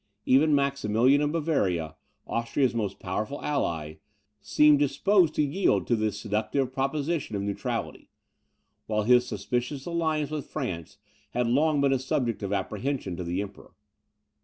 Even Maximilian of Bavaria, Austria's most powerful ally, seemed disposed to yield to the seductive proposition of neutrality; while his suspicious alliance with France had long been a subject of apprehension to the Emperor.